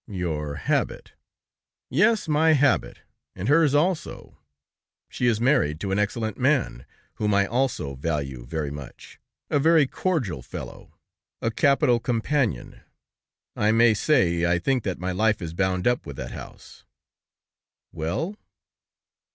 "Your habit." "Yes, my habit, and hers also. She is married to an excellent man, whom I also value very much, a very cordial fellow. A capital companion! I may say, I think that my life is bound up with that house." "Well?"